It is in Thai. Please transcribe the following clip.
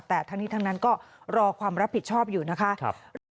แต่ทั้งนี้ทั้งนั้นก็รอความรับผิดชอบอยู่นะคะ